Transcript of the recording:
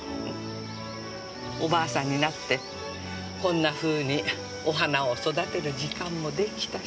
おばあさんになってこんなふうにお花を育てる時間も出来たし。